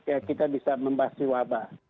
ya kita bisa membahas di wabah